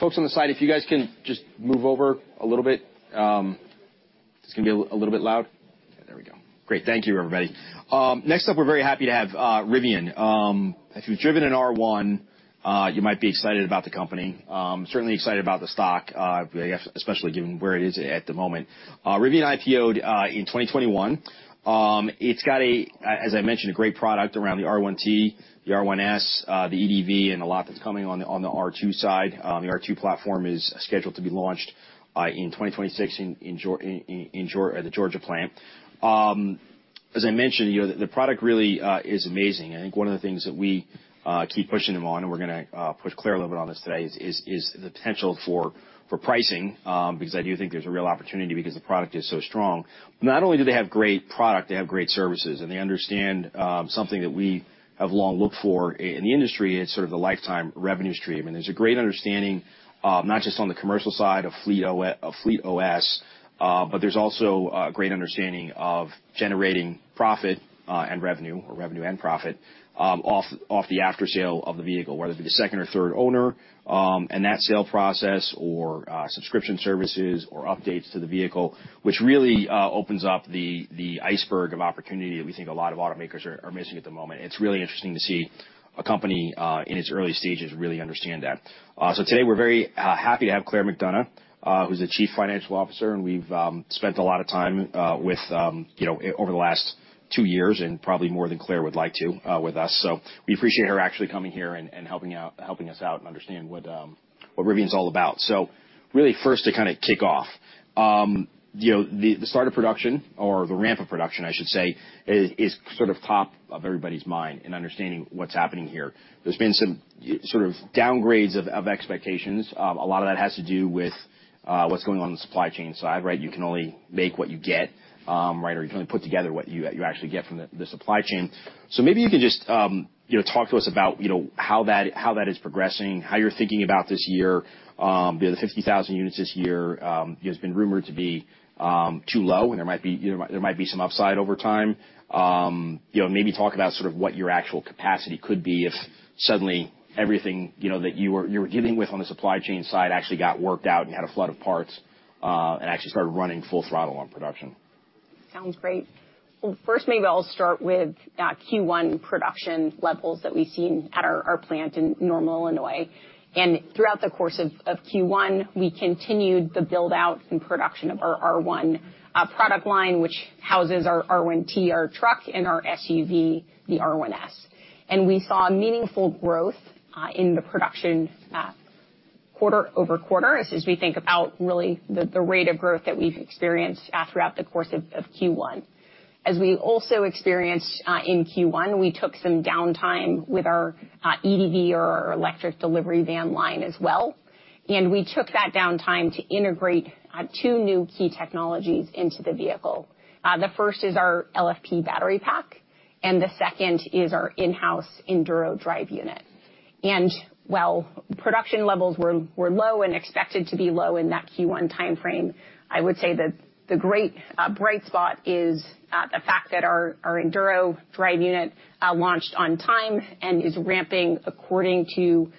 Folks on the side, if you guys can just move over a little bit, it's gonna be a little bit loud. There we go. Great. Thank you, everybody. Next up, we're very happy to have Rivian. If you've driven an R1, you might be excited about the company. Certainly excited about the stock, especially given where it is at the moment. Rivian IPO'd in 2021. It's got, as I mentioned, a great product around the R1T, the R1S, the EDV, and a lot that's coming on the R2 side. The R2 platform is scheduled to be launched in 2026 in the Georgia plant. As I mentioned, you know, the product really is amazing. I think one of the things that we keep pushing them on, and we're gonna push Claire a little bit on this today, is the potential for pricing. Because I do think there's a real opportunity because the product is so strong. Not only do they have great product, they have great services. They understand something that we have long looked for in the industry, it's sort of the lifetime revenue stream. There's a great understanding, not just on the commercial side of FleetOS, but there's also a great understanding of generating profit and revenue or revenue and profit off the after-sale of the vehicle. Whether it be the second or third owner, and that sale process or subscription services or updates to the vehicle, which really opens up the iceberg of opportunity that we think a lot of automakers are missing at the moment. It's really interesting to see a company in its early stages really understand that. Today we're very happy to have Claire McDonough, who's the Chief Financial Officer, and we've spent a lot of time with, you know, over the last two years and probably more than Claire would like to, with us. We appreciate her actually coming here and helping us out and understand what Rivian's all about. Really first to kinda kick off. You know, the start of production or the ramp of production, I should say, is sort of top of everybody's mind in understanding what's happening here. There's been some, sort of downgrades of expectations. A lot of that has to do with what's going on on the supply chain side, right? You can only make what you get, right, or you can only put together what you actually get from the supply chain. Maybe you could just, you know, talk to us about, you know, how that is progressing, how you're thinking about this year. You know, the 50,000 units this year, you know, has been rumored to be too low and there might be some upside over time. You know, maybe talk about sort of what your actual capacity could be if suddenly everything, you know, that you were dealing with on the supply chain side actually got worked out and you had a flood of parts, and actually started running full throttle on production. Sounds great. Well, first, maybe I'll start with Q1 production levels that we've seen at our plant in Normal, Illinois. Throughout the course of Q1, we continued the build-out and production of our R1 product line, which houses our R1T, our truck, and our SUV, the R1S. We saw meaningful growth in the production quarter-over-quarter as we think about really the rate of growth that we've experienced throughout the course of Q1. As we also experienced in Q1, we took some downtime with our EDV or electric delivery van line as well. We took that downtime to integrate two new key technologies into the vehicle. The first is our LFP battery pack, and the second is our in-house Enduro drive unit. While production levels were low and expected to be low in that Q1 timeframe, I would say that the great bright spot is the fact that our Enduro drive unit launched on time and is ramping according to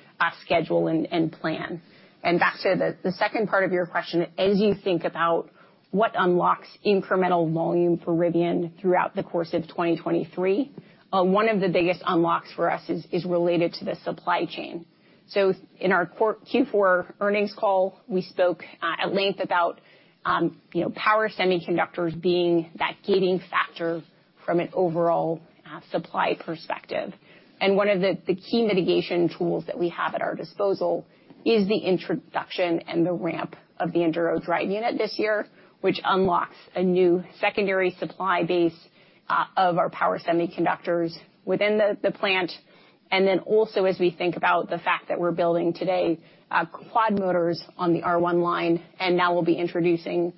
schedule and plan. Back to the second part of your question, as you think about what unlocks incremental volume for Rivian throughout the course of 2023, one of the biggest unlocks for us is related to the supply chain. In our Q4 earnings call, we spoke at length about, you know, power semiconductors being that gating factor from an overall supply perspective. One of the key mitigation tools that we have at our disposal is the introduction and the ramp of the Enduro drive unit this year, which unlocks a new secondary supply base of our power semiconductors within the plant. Also as we think about the fact that we're building today, Quad-Motors on the R1 line, and now we'll be introducing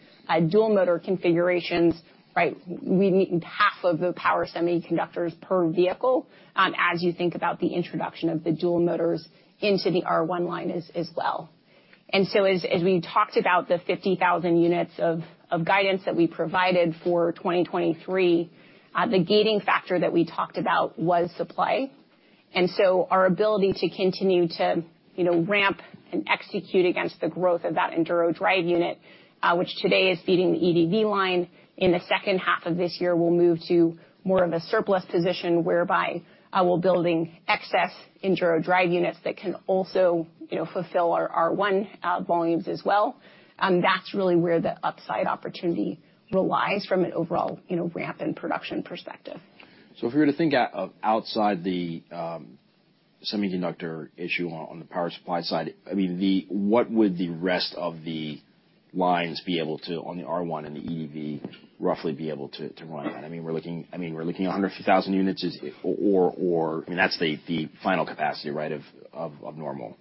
Dual-Motor configurations, right? We need half of the power semiconductors per vehicle as you think about the introduction of the Dual-Motors into the R1 line as well. As we talked about the 50,000 units of guidance that we provided for 2023, the gating factor that we talked about was supply. Our ability to continue to, you know, ramp and execute against the growth of that Enduro drive unit, which today is feeding the EDV line. In the second half of this year, we'll move to more of a surplus position whereby, we're building excess Enduro drive units that can also, you know, fulfill our R1 volumes as well. That's really where the upside opportunity relies from an overall, you know, ramp and production perspective. If we were to think out outside the semiconductor issue on the power supply side, what would the rest of the lines be able to on the R1 and the EDV roughly be able to run on? We're looking at 150,000 units or that's the final capacity, right, of Normal.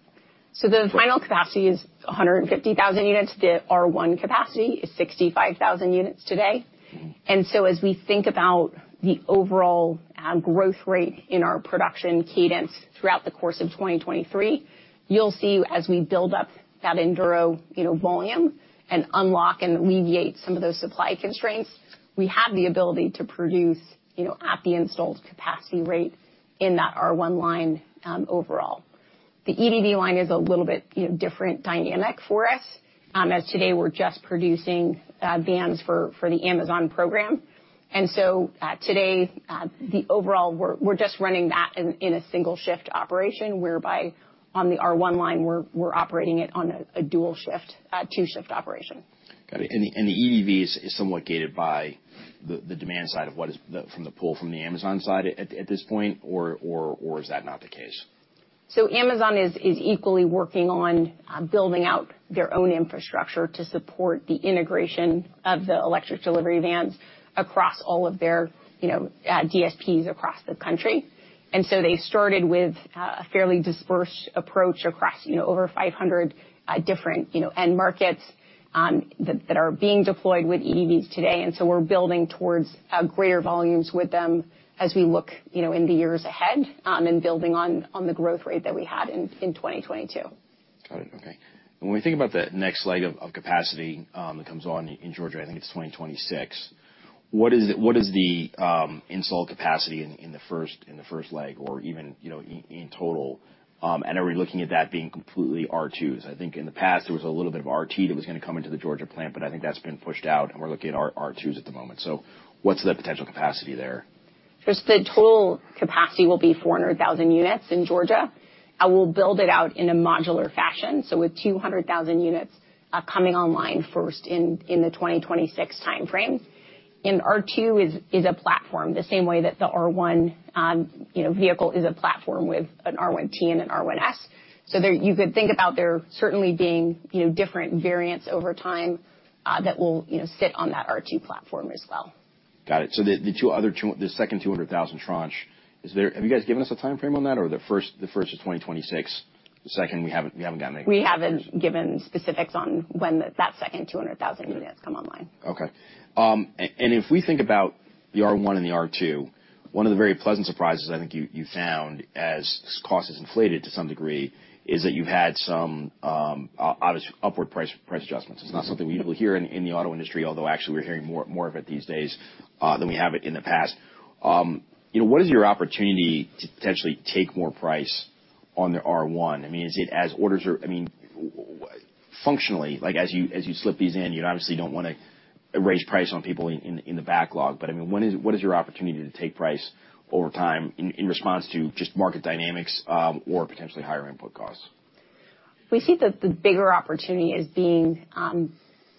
The final capacity is 150,000 units. The R1 capacity is 65,000 units today. Mm-hmm. As we think about the overall growth rate in our production cadence throughout the course of 2023, you'll see as we build up that Enduro, you know, volume and unlock and alleviate some of those supply constraints, we have the ability to produce, you know, at the installed capacity rate in that R1 line, overall. The EDV line is a little bit, you know, different dynamic for us, as today we're just producing, vans for the Amazon program. Today, the overall, we're just running that in a single shift operation, whereby on the R1 line, we're operating it on a dual shift, two shift operation. Got it. The EDV is somewhat gated by the demand side of what is the... From the pool from the Amazon side at this point, or is that not the case? Amazon is equally working on building out their own infrastructure to support the integration of the electric delivery vans across all of their, you know, DSPs across the country. They started with a fairly dispersed approach across, you know, over 500 different, you know, end markets that are being deployed with EDVs today. We're building towards greater volumes with them as we look, you know, in the years ahead, and building on the growth rate that we had in 2022. Got it. Okay. When we think about the next leg of capacity that comes on in Georgia, I think it's 2026, what is the install capacity in the first leg or even, you know, in total? Are we looking at that being completely R2s? I think in the past there was a little bit of R1T that was gonna come into the Georgia plant, but I think that's been pushed out, and we're looking at R2s at the moment. What's the potential capacity there? The total capacity will be 400,000 units in Georgia. We'll build it out in a modular fashion, so with 200,000 units coming online first in the 2026 timeframes. R2 is a platform the same way that the R1, you know, vehicle is a platform with an R1T and an R1S. You could think about there certainly being, you know, different variants over time that will, you know, sit on that R2 platform as well. Got it. The second 200,000 tranche, have you guys given us a timeframe on that or the first is 2026? The second we haven't gotten any. We haven't given specifics on when that second 200,000 units come online. Okay. If we think about the R1 and the R2, one of the very pleasant surprises I think you found as costs inflated to some degree, is that you had some obviously upward price adjustments. It's not something we hear in the auto industry, although actually we're hearing more of it these days than we have it in the past. You know, what is your opportunity to potentially take more price on the R1? I mean, is it as orders are... I mean, functionally, like, as you, as you slip these in, you obviously don't wanna raise price on people in the backlog. I mean, when is... What is your opportunity to take price over time in response to just market dynamics, or potentially higher input costs? We see the bigger opportunity as being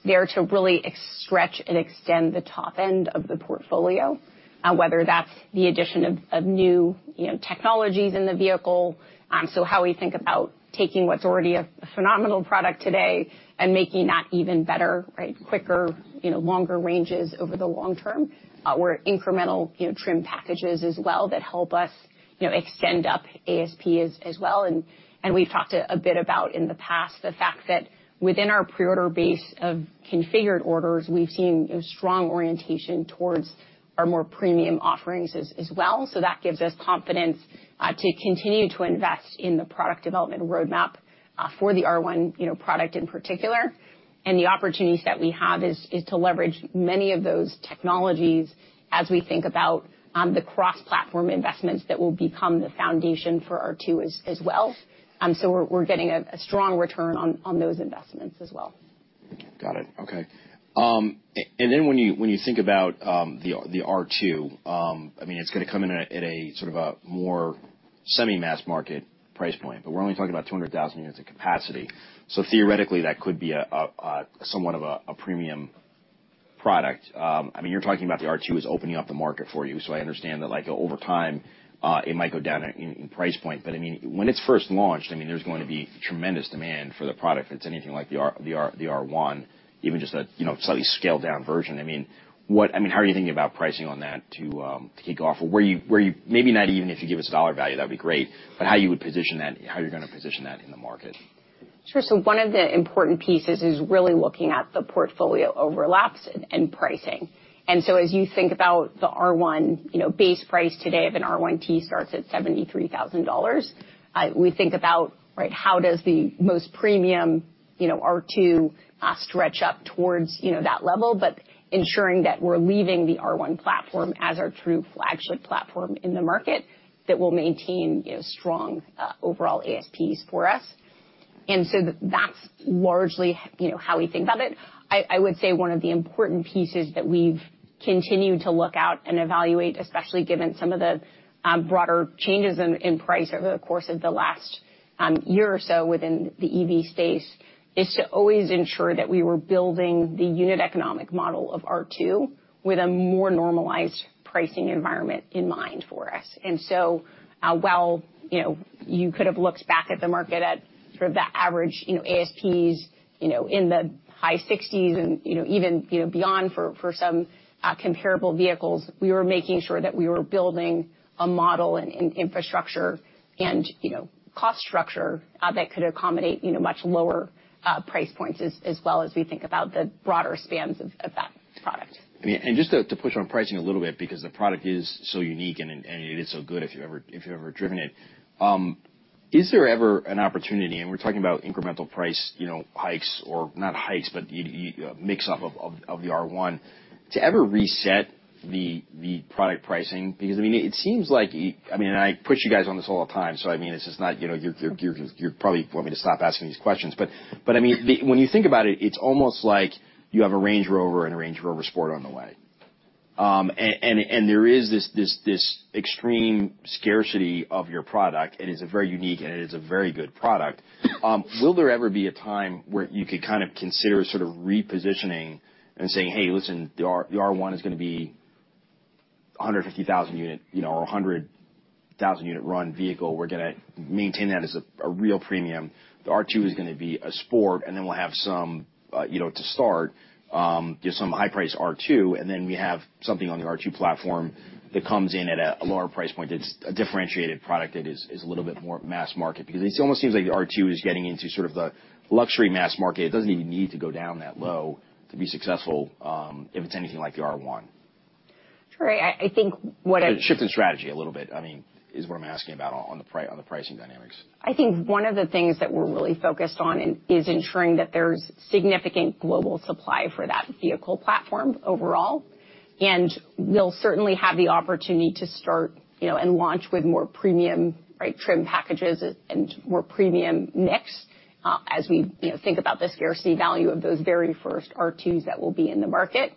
there to really stretch and extend the top end of the portfolio, whether that's the addition of new, you know, technologies in the vehicle. How we think about taking what's already a phenomenal product today and making that even better, right? Quicker, you know, longer ranges over the long term, or incremental, you know, trim packages as well that help us, you know, extend up ASP as well. We've talked a bit about in the past the fact that within our pre-order base of configured orders, we've seen a strong orientation towards our more premium offerings as well. That gives us confidence to continue to invest in the product development roadmap for the R1, you know, product in particular. The opportunities that we have is to leverage many of those technologies as we think about the cross-platform investments that will become the foundation for R2 as well. We're getting a strong return on those investments as well. Got it. Okay. Then when you think about the R2, I mean, it's gonna come in at a, sort of a more semi mass market price point. We're only talking about 200,000 units of capacity. Theoretically that could be a somewhat of a premium product. I mean, you're talking about the R2 as opening up the market for you, so I understand that, like, over time, it might go down in price point. I mean, when it's first launched, I mean, there's going to be tremendous demand for the product if it's anything like the R1, even just a, you know, slightly scaled-down version. I mean, how are you thinking about pricing on that to kick off? Maybe not even if you give us a dollar value, that'd be great, but how you would position that. How you're gonna position that in the market? Sure. One of the important pieces is really looking at the portfolio overlaps and pricing. As you think about the R1, you know, base price today of an R1T starts at $73,000. We think about, right, how does the most premium, you know, R2, stretch up towards, you know, that level? Ensuring that we're leaving the R1 platform as our true flagship platform in the market that will maintain, you know, strong, overall ASPs for us. That's largely, you know, how we think about it. I would say one of the important pieces that we've continued to look out and evaluate, especially given some of the broader changes in price over the course of the last year or so within the EV space, is to always ensure that we were building the unit economic model of R2 with a more normalized pricing environment in mind for us. While, you know, you could have looked back at the market at sort of the average, you know, ASPs, you know, in the high 60s and, you know, even, you know, beyond for some comparable vehicles, we were making sure that we were building a model and infrastructure and, you know, cost structure that could accommodate, you know, much lower price points as well as we think about the broader spans of that product. I mean, just to push on pricing a little bit because the product is so unique and it is so good if you've ever, if you've ever driven it. Is there ever an opportunity, and we're talking about incremental price, you know, hikes or not hikes, but mix up of, of the R1, to ever reset the product pricing? Because I mean, it seems like, I mean, and I push you guys on this all the time, so I mean, this is not, you know. You're probably want me to stop asking these questions. But I mean, when you think about it's almost like you have a Range Rover and a Range Rover Sport on the way. There is this extreme scarcity of your product, and it's a very unique and it is a very good product. Will there ever be a time where you could kind of consider sort of repositioning and saying, "Hey, listen, the R1 is gonna be a 150,000 unit, you know, or a 100,000 unit run vehicle. We're gonna maintain that as a real premium. The R2 is gonna be a Sport, and then we'll have some, you know, to start, you know, some high-priced R2, and then we have something on the R2 platform that comes in at a lower price point that's a differentiated product that is a little bit more mass market." It almost seems like the R2 is getting into sort of the luxury mass market. It doesn't even need to go down that low to be successful, if it's anything like the R1. Sure. I think... Shift in strategy a little bit, I mean, is what I'm asking about on the pricing dynamics. I think one of the things that we're really focused on is ensuring that there's significant global supply for that vehicle platform overall. We'll certainly have the opportunity to start, you know, and launch with more premium, right, trim packages and more premium mix as we, you know, think about the scarcity value of those very first R2s that will be in the market.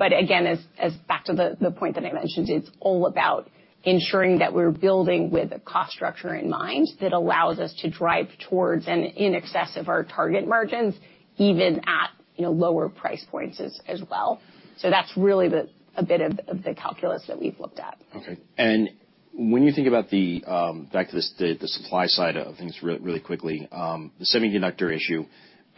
Again, as back to the point that I mentioned, it's all about ensuring that we're building with a cost structure in mind that allows us to drive towards and in excess of our target margins, even at, you know, lower price points as well. That's really a bit of the calculus that we've looked at. When you think about the back to the supply side of things really quickly, the semiconductor issue,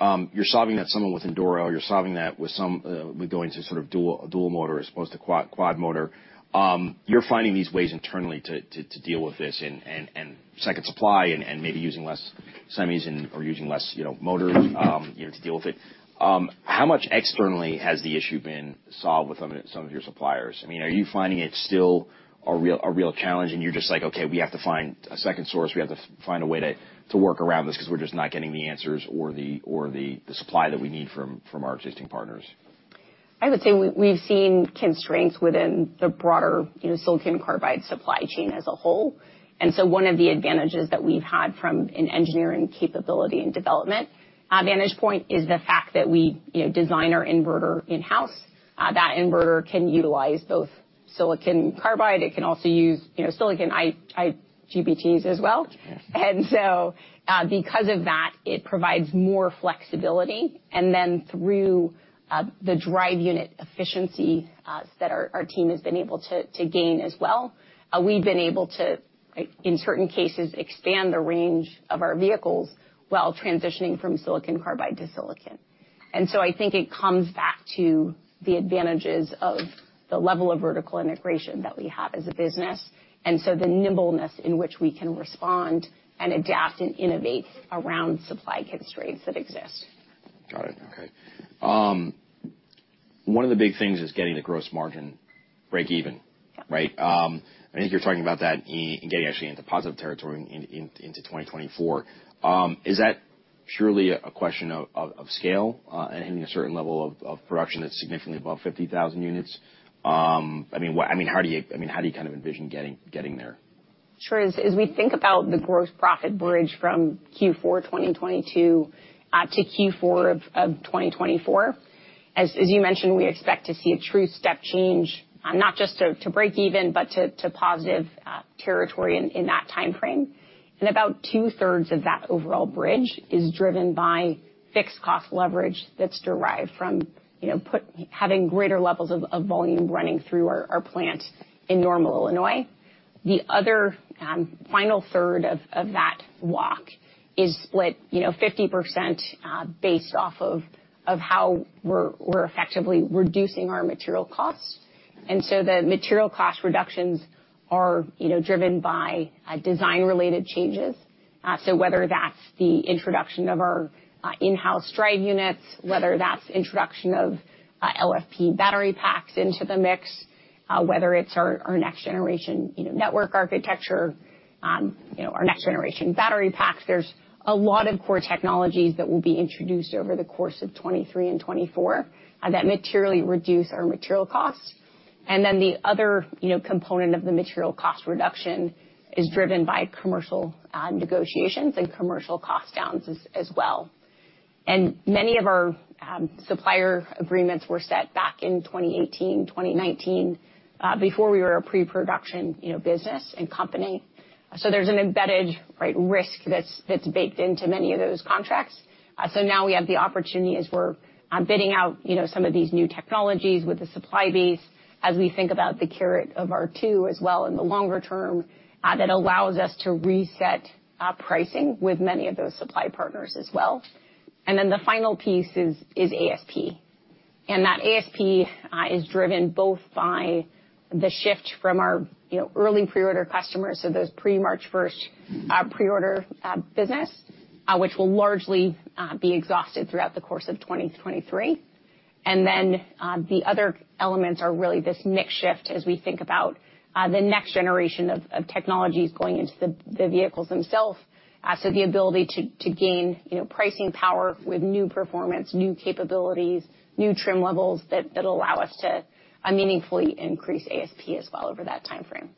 you're solving that somewhat with Enduro, you're solving that with some with going to sort of Dual-Motor as opposed to Quad-Motor. You're finding these ways internally to deal with this and second supply and maybe using less semis and/or using less, you know, motors, you know, to deal with it. How much externally has the issue been solved with some of your suppliers? I mean, are you finding it still a real challenge, and you're just like, "Okay, we have to find a second source, we have to find a way to work around this because we're just not getting the answers or the supply that we need from our existing partners? I would say we've seen constraints within the broader, you know, silicon carbide supply chain as a whole. One of the advantages that we've had from an engineering capability and development advantage point is the fact that we, you know, design our inverter in-house. That inverter can utilize both silicon carbide, it can also use, you know, silicon IGBTs as well. Yes. Because of that, it provides more flexibility. Through, the drive unit efficiency, that our team has been able to gain as well, we've been able to, in certain cases, expand the range of our vehicles while transitioning from silicon carbide to silicon. I think it comes back to the advantages of the level of vertical integration that we have as a business, and so the nimbleness in which we can respond and adapt and innovate around supply constraints that exist. Got it. Okay. One of the big things is getting the gross margin breakeven, right? I think you're talking about that in getting actually into positive territory into 2024. Is that purely a question of scale and hitting a certain level of production that's significantly above 50,000 units? I mean, how do you kind of envision getting there? Sure. As we think about the gross profit bridge from Q4 of 2022 to Q4 of 2024, as you mentioned, we expect to see a true step change, not just to breakeven, but to positive territory in that timeframe. About 2/3 of that overall bridge is driven by fixed cost leverage that's derived from, you know, having greater levels of volume running through our plant in Normal, Illinois. The other final 1/3 of that walk is split, you know, 50%, based off of how we're effectively reducing our material costs. The material cost reductions are, you know, driven by design-related changes. So whether that's the introduction of our in-house drive units, whether that's introduction of LFP battery packs into the mix. Mm-hmm. Whether it's our next generation, you know, network architecture, you know, our next generation battery packs. There's a lot of core technologies that will be introduced over the course of 2023 and 2024 that materially reduce our material costs. The other, you know, component of the material cost reduction is driven by commercial negotiations and commercial cost downs as well. Many of our supplier agreements were set back in 2018, 2019 before we were a pre-production, you know, business and company. There's an embedded, right, risk that's baked into many of those contracts. Now we have the opportunity as we're, you know, bidding out some of these new technologies with the supply base as we think about the carrot of R2 as well in the longer term, that allows us to reset pricing with many of those supply partners as well. The final piece is ASP. That ASP is driven both by the shift from our, you know, early pre-order customers, so those pre-March 1st pre-order business, which will largely be exhausted throughout the course of 2023. The other elements are really this mix shift as we think about the next generation of technologies going into the vehicles themselves. The ability to gain, you know, pricing power with new performance, new capabilities, new trim levels that allow us to meaningfully increase ASP as well over that timeframe.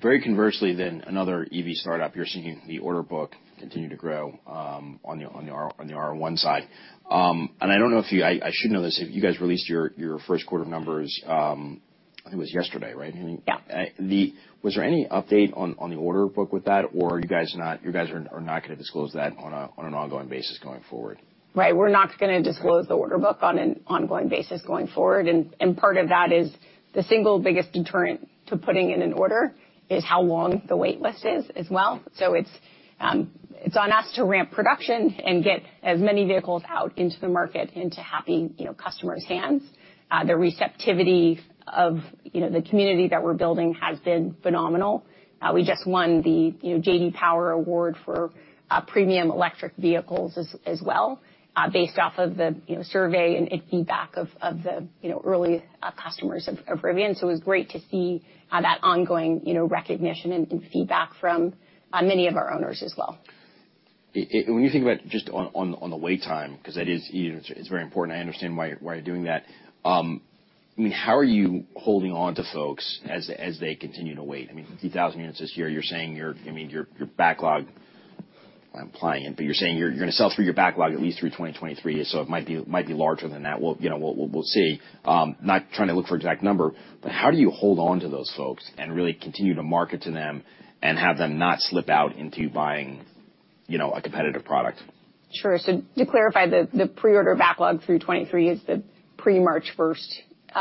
Very conversely, then another EV startup. You're seeing the order book continue to grow on the R1 side. I should know this. You guys released your first quarter numbers, I think it was yesterday, right? I mean. Yeah. Was there any update on the order book with that? Are you guys not gonna disclose that on an ongoing basis going forward? Right. We're not gonna disclose the order book on an ongoing basis going forward. Part of that is the single biggest deterrent to putting in an order is how long the wait list is as well. It's on us to ramp production and get as many vehicles out into the market into happy, you know, customers' hands. The receptivity of, you know, the community that we're building has been phenomenal. We just won the, you know, J.D. Power Award for premium electric vehicles as well, based off of the, you know, survey and feedback of the, you know, early customers of Rivian. It was great to see that ongoing, you know, recognition and feedback from many of our owners as well. When you think about just on the wait time, 'cause that is, you know, it's very important. I understand why you're doing that. I mean, how are you holding on to folks as they continue to wait? I mean, 2,000 units this year, you're saying your, I mean, your backlog, I'm implying, but you're saying you're gonna sell through your backlog at least through 2023. It might be larger than that. We'll, you know, we'll see. Not trying to look for exact number, but how do you hold on to those folks and really continue to market to them and have them not slip out into buying, you know, a competitive product? Sure. To clarify, the pre-order backlog through 23 is the pre-March first,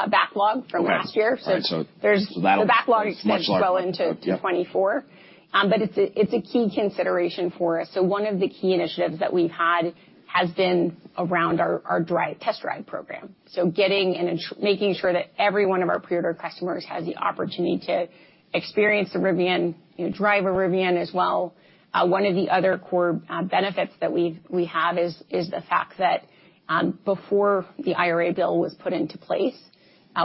backlog from last year. Right. Right. So there's- So that'll- The backlog extends well into 2024. Yep. It's a key consideration for us. One of the key initiatives that we've had has been around our test drive program. Getting and making sure that every one of our pre-order customers has the opportunity to experience a Rivian, you know, drive a Rivian as well. One of the other core benefits that we have is the fact that before the IRA was put into place,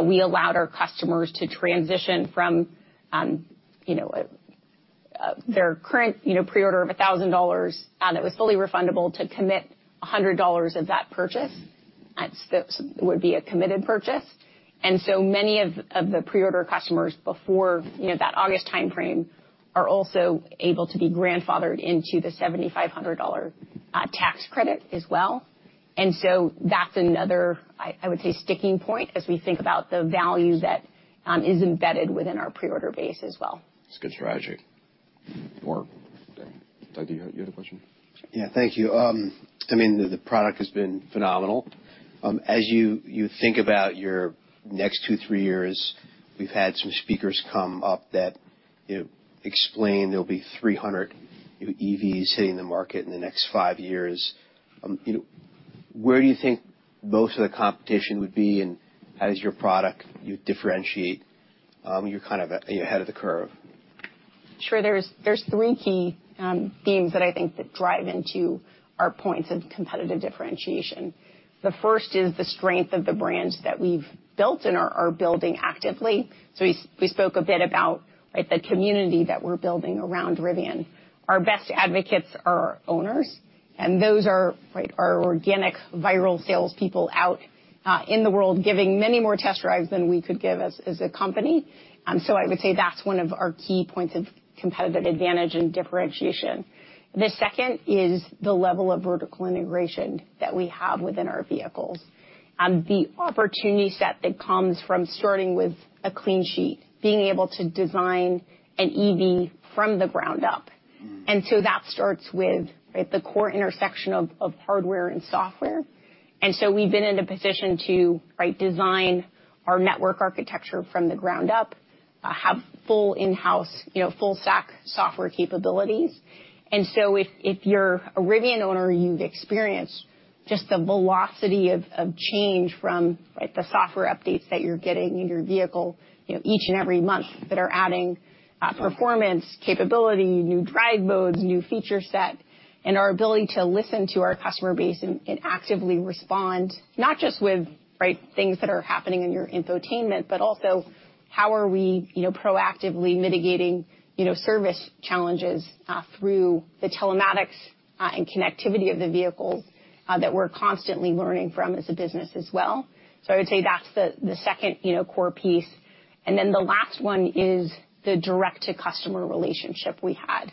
we allowed our customers to transition from, you know, their current, you know, pre-order of $1,000 that was fully refundable to commit $100 of that purchase. It would be a committed purchase. Many of the pre-order customers before, you know, that August timeframe are also able to be grandfathered into the $7,500 tax credit as well. That's another, I would say, sticking point as we think about the value that is embedded within our pre-order base as well. It's a good strategy. Mark? I think you had a question. Yeah. Thank you. I mean, the product has been phenomenal. As you think about your next two, three years, we've had some speakers come up that, you know, explain there'll be 300 EVs hitting the market in the next five years. You know, where do you think most of the competition would be? How does your product, you differentiate, you're kind of a, you're ahead of the curve. Sure. There's three key themes that I think that drive into our points of competitive differentiation. The first is the strength of the brands that we've built and are building actively. We spoke a bit about, right, the community that we're building around Rivian. Our best advocates are our owners, and those are, right, our organic viral salespeople out in the world, giving many more test drives than we could give as a company. I would say that's one of our key points of competitive advantage and differentiation. The second is the level of vertical integration that we have within our vehicles. The opportunity set that comes from starting with a clean sheet, being able to design an EV from the ground up. Mm. That starts with, right, the core intersection of hardware and software. We've been in a position to, right, design our network architecture from the ground up. Have full in-house, you know, full stack software capabilities. If you're a Rivian owner, you've experienced just the velocity of change from, right, the software updates that you're getting in your vehicle, you know, each and every month that are adding performance, capability, new drive modes, new feature set. Our ability to listen to our customer base and actively respond, not just with, right, things that are happening in your infotainment, but also how are we, you know, proactively mitigating, you know, service challenges through the telematics and connectivity of the vehicles that we're constantly learning from as a business as well. I would say that's the second, you know, core piece. The last one is the direct to customer relationship we had.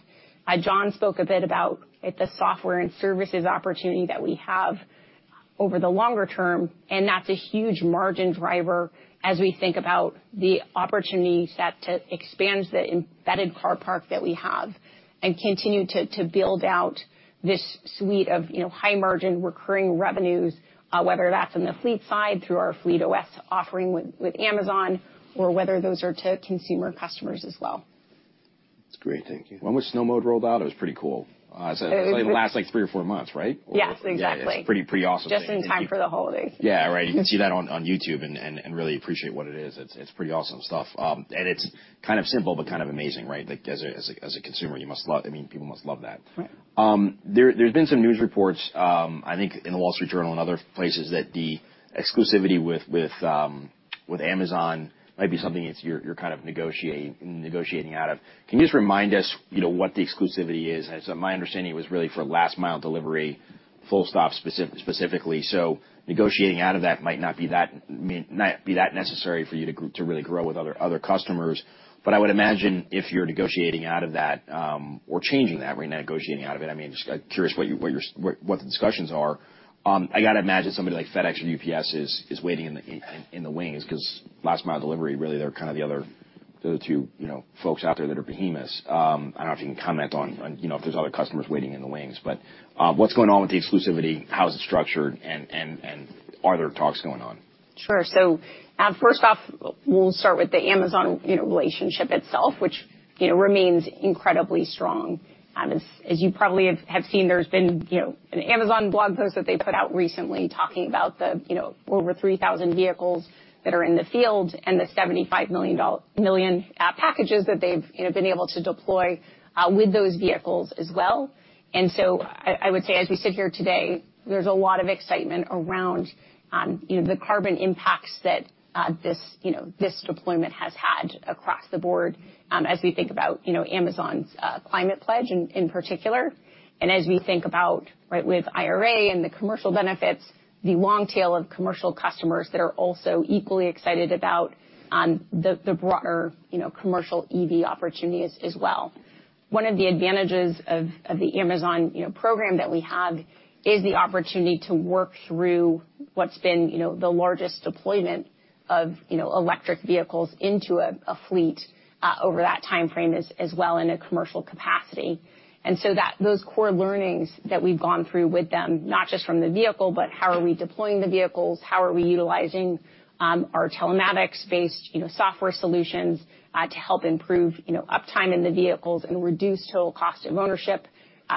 John spoke a bit about, right, the software and services opportunity that we have over the longer term, and that's a huge margin driver as we think about the opportunity set to expand the embedded car park that we have and continue to build out this suite of, you know, high margin recurring revenues, whether that's on the fleet side through our FleetOS offering with Amazon or whether those are to consumer customers as well. That's great. Thank you. When was Snow mode rolled out? It was pretty cool. It lasts like three or four months, right? Yes, exactly. Yeah. It's pretty awesome. Just in time for the holidays. Yeah, right. You can see that on YouTube and really appreciate what it is. It's pretty awesome stuff. It's kind of simple but kind of amazing, right? Like, as a consumer, you must love, I mean, people must love that. Right. There's been some news reports, I think in The Wall Street Journal and other places, that the exclusivity with Amazon might be something that you're kind of negotiating out of. Can you just remind us, you know, what the exclusivity is? As my understanding, it was really for last mile delivery, full stop specifically. Negotiating out of that might not be that necessary for you to really grow with other customers. I would imagine if you're negotiating out of that, or changing that, right, negotiating out of it, I mean, just curious what your what the discussions are. I gotta imagine somebody like FedEx or UPS is waiting in the wings 'cause last mile delivery, really, they're kinda the other, the two, you know, folks out there that are behemoths. I don't know if you can comment on, you know, if there's other customers waiting in the wings. What's going on with the exclusivity? How is it structured? And are there talks going on? Sure. First off, we'll start with the Amazon, you know, relationship itself, which, you know, remains incredibly strong. As you probably have seen, there's been, you know, an Amazon blog post that they put out recently talking about the, you know, over 3,000 vehicles that are in the field and the $75 million packages that they've, you know, been able to deploy with those vehicles as well. I would say, as we sit here today, there's a lot of excitement around, you know, the carbon impacts that this, you know, this deployment has had across the board, as we think about, you know, Amazon's Climate Pledge in particular. As we think about, right, with IRA and the commercial benefits, the long tail of commercial customers that are also equally excited about the broader, you know, commercial EV opportunities as well. One of the advantages of the Amazon, you know, program that we have is the opportunity to work through what's been, you know, the largest deployment of, you know, electric vehicles into a fleet over that timeframe as well in a commercial capacity. Those core learnings that we've gone through with them, not just from the vehicle, but how are we deploying the vehicles, how are we utilizing, our telematics-based, you know, software solutions, to help improve, you know, uptime in the vehicles and reduce total cost of ownership,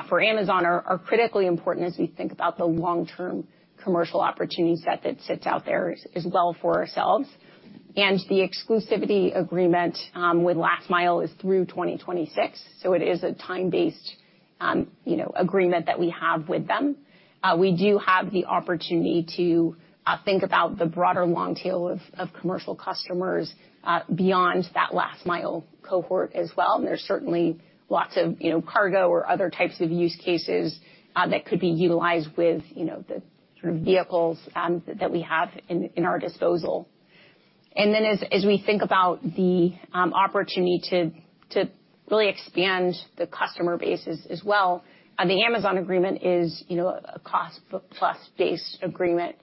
for Amazon are critically important as we think about the long-term commercial opportunity set that sits out there as well for ourselves. The exclusivity agreement, with Last Mile is through 2026, so it is a time-based, you know, agreement that we have with them. We do have the opportunity to think about the broader long tail of commercial customers, beyond that Last Mile cohort as well, there's certainly lots of, you know, cargo or other types of use cases, that could be utilized with, you know, the sort of vehicles that we have in our disposal. As we think about the opportunity to really expand the customer base as well, the Amazon agreement is, you know, a cost-plus based agreement.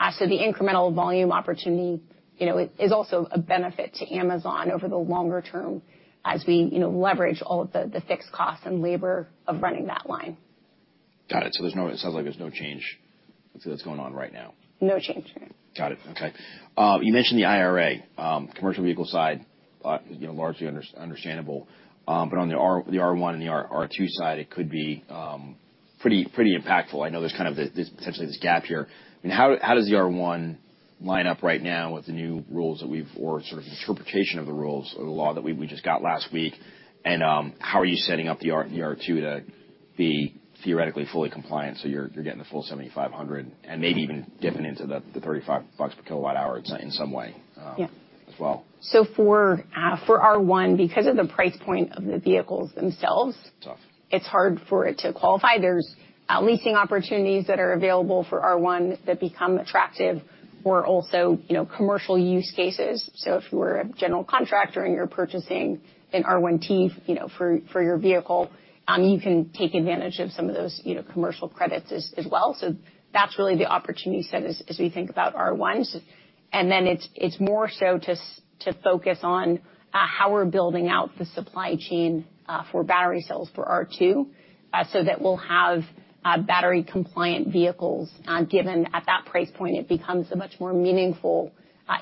The incremental volume opportunity, you know, it is also a benefit to Amazon over the longer term as we, you know, leverage all of the fixed costs and labor of running that line. Got it. It sounds like there's no change to what's going on right now. No change. Got it. Okay. You mentioned the IRA, commercial vehicle side, you know, largely understandable, but on the R1 and the R2 side, it could be pretty impactful. I know there's kind of this potentially this gap here. I mean, how does the R1 line up right now with the new rules that we've or sort of interpretation of the rules or the law that we just got last week? How are you setting up the R2 to be theoretically fully compliant so you're getting the full $7,500 and maybe even dipping into the $35 per kilowatt hour in some way? Yeah. as well? For R1, because of the price point of the vehicles themselves Tough. It's hard for it to qualify. There's leasing opportunities that are available for R1 that become attractive or also, you know, commercial use cases. If you were a general contractor and you're purchasing an R1T, you know, for your vehicle, you can take advantage of some of those, you know, commercial credits as well. That's really the opportunity set as we think about R1s. Then it's more so to focus on how we're building out the supply chain for battery cells for R2, so that we'll have battery compliant vehicles, given at that price point it becomes a much more meaningful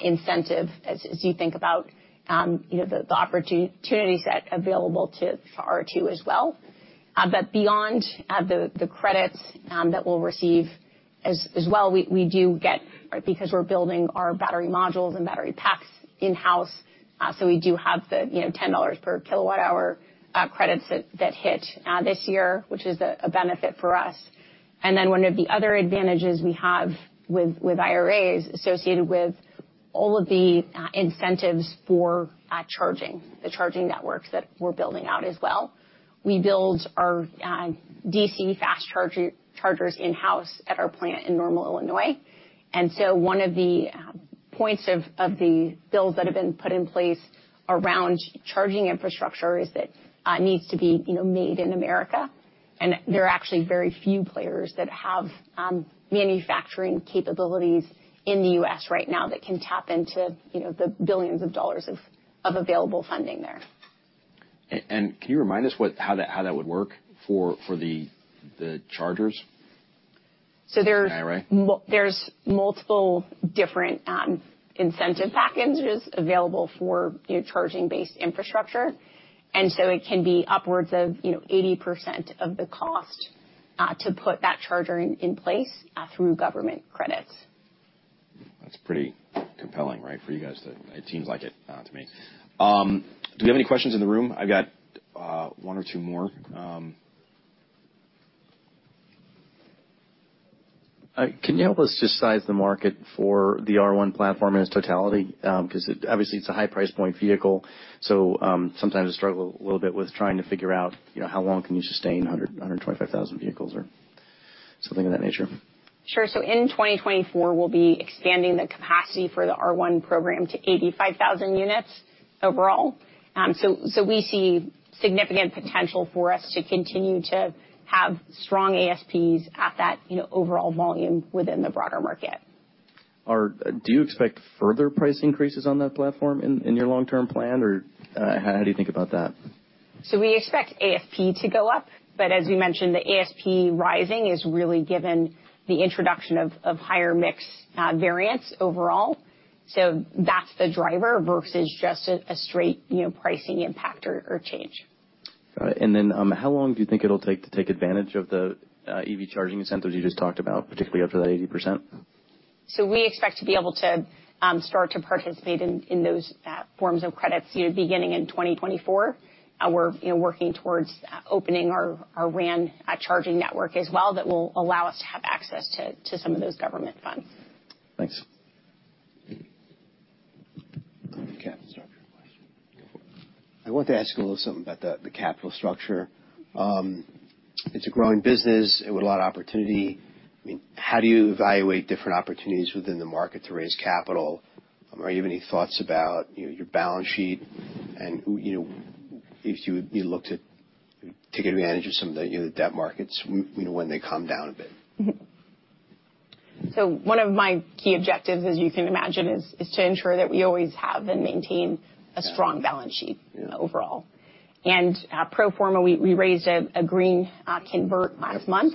incentive as you think about, you know, the opportunity set available to, for R2 as well. but beyond the credits that we'll receive as well, we do get because we're building our battery modules and battery packs in-house, so we do have the, you know, $10 per kilowatt hour credits that hit this year, which is a benefit for us. One of the other advantages we have with IRAs associated with all of the incentives for charging, the charging networks that we're building out as well. We build our DC fast chargers in-house at our plant in Normal, Illinois. One of the points of the bills that have been put in place around charging infrastructure is that needs to be, you know, made in America. There are actually very few players that have manufacturing capabilities in the U.S. right now that can tap into, you know, the billions of dollars of available funding there. Can you remind us how that would work for the chargers? So there's- The IRA. There's multiple different incentive packages available for, you know, charging-based infrastructure. It can be upwards of, you know, 80% of the cost to put that charger in place through government credits. That's pretty compelling, right, for you guys to... It seems like it to me. Do we have any questions in the room? I've got one or two more. Can you help us just size the market for the R1 platform in its totality? Because obviously it's a high price point vehicle, so sometimes I struggle a little bit with trying to figure out, you know, how long can you sustain 100,000-125,000 vehicles or something of that nature. Sure. In 2024, we'll be expanding the capacity for the R1 program to 85,000 units overall. We see significant potential for us to continue to have strong ASPs at that, you know, overall volume within the broader market. Do you expect further price increases on that platform in your long-term plan, or how do you think about that? We expect ASP to go up, but as we mentioned, the ASP rising is really given the introduction of higher mix variance overall. That's the driver versus just a straight, you know, pricing impact or change. Got it. How long do you think it'll take to take advantage of the EV charging incentives you just talked about, particularly up to that 80%? We expect to be able to start to participate in those forms of credits, you know, beginning in 2024. We're, you know, working towards opening our RAN charging network as well that will allow us to have access to some of those government funds. Thanks. Capital structure question. Go for it. I want to ask you a little something about the capital structure. It's a growing business with a lot of opportunity. I mean, how do you evaluate different opportunities within the market to raise capital? Or you have any thoughts about, you know, your balance sheet and who, you know, if you looked at taking advantage of some of the, you know, the debt markets, you know, when they come down a bit. One of my key objectives, as you can imagine, is to ensure that we always have and maintain a strong balance sheet overall. Pro forma, we raised a green convert last month.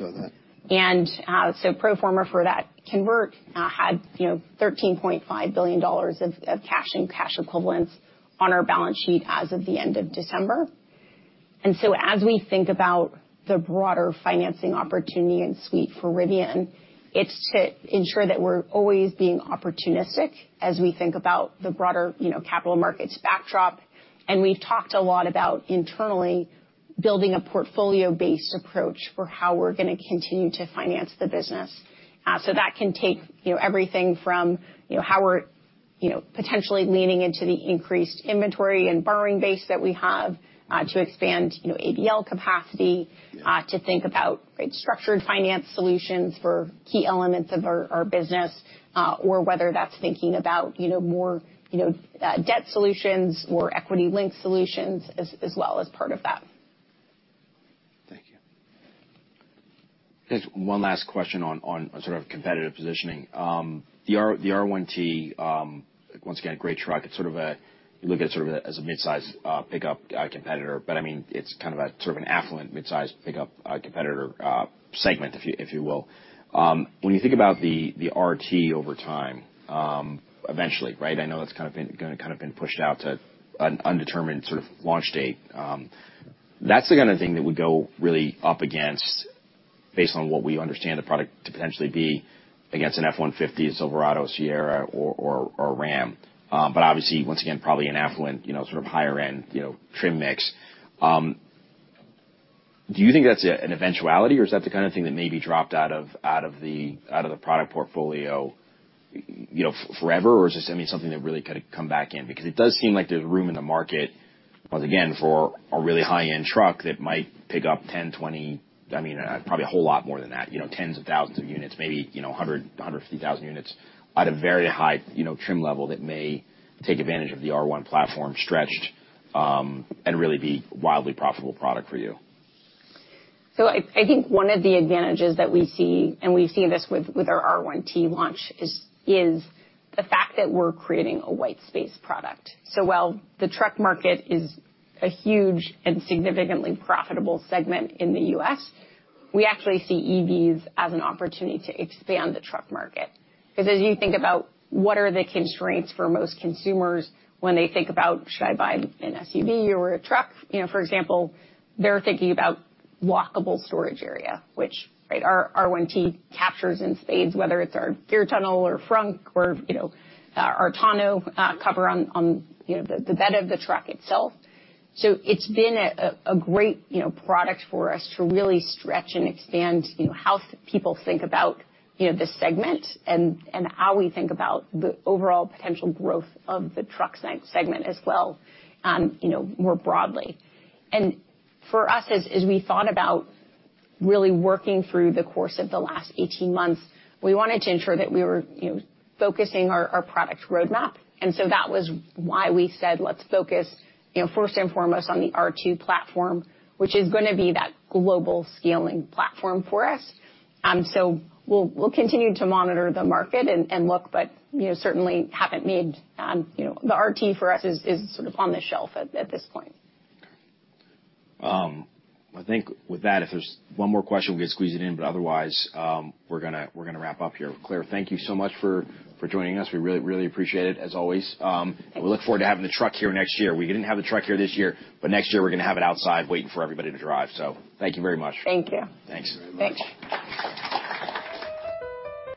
Yes. Saw that. Pro forma for that convert, had you know, $13.5 billion of cash and cash equivalents on our balance sheet as of the end of December. As we think about the broader financing opportunity and suite for Rivian, it's to ensure that we're always being opportunistic as we think about the broader, you know, capital markets backdrop. We've talked a lot about internally building a portfolio-based approach for how we're gonna continue to finance the business. That can take, you know, everything from, you know, how we're, you know, potentially leaning into the increased inventory and borrowing base that we have, to expand, you know, ABL capacity, to think about structured finance solutions for key elements of our business, or whether that's thinking about, you know, more, you know, debt solutions or equity link solutions as well as part of that. Thank you. Just one last question on sort of competitive positioning. The R1T, once again, great truck. It's sort of you look at it sort of as a mid-size pickup competitor, but I mean, it's kind of a, sort of an affluent mid-size pickup competitor segment, if you, if you will. When you think about the R2 over time, eventually, right? I know it's kind of been pushed out to an undetermined sort of launch date. That's the only thing that would go really up against based on what we understand the product to potentially be against an F-150, Silverado, Sierra or Ram. Obviously, once again, probably an affluent, you know, sort of higher-end, you know, trim mix. Do you think that's an eventuality, or is that the kinda thing that may be dropped out of the product portfolio, you know, forever? Or is this, I mean, something that really kinda come back in because it does seem like there's room in the market, once again, for a really high-end truck that might pick up 10, 20, I mean, probably a whole lot more than that, you know, tens of thousands of units, maybe, you know, 100,000-150,000 units at a very high, you know, trim level that may take advantage of the R1 platform stretched, and really be wildly profitable product for you? I think one of the advantages that we see, and we see this with our R1T launch is the fact that we're creating a white space product. While the truck market is a huge and significantly profitable segment in the U.S., we actually see EVs as an opportunity to expand the truck market. As you think about what are the constraints for most consumers when they think about, should I buy an SUV or a truck? You know, for example, they're thinking about walkable storage area, which, right, our R1T captures in spades, whether it's our Gear Tunnel or frunk or, you know, our tonneau cover on the bed of the truck itself. It's been a great, you know, product for us to really stretch and expand, you know, how people think about, you know, this segment and how we think about the overall potential growth of the truck segment as well, you know, more broadly. For us, as we thought about really working through the course of the last 18 months, we wanted to ensure that we were, you know, focusing our product roadmap. That was why we said, let's focus, you know, first and foremost on the R2 platform, which is gonna be that global scaling platform for us. We'll, we'll continue to monitor the market and look, but, you know, certainly haven't made, you know, the R1T for us is sort of on the shelf at this point. I think with that, if there's one more question, we can squeeze it in. Otherwise, we're gonna wrap up here. Claire, thank you so much for joining us. We really, really appreciate it as always. We look forward to having the truck here next year. We didn't have the truck here this year, but next year we're gonna have it outside waiting for everybody to drive. Thank you very much. Thank you. Thanks very much. Thanks.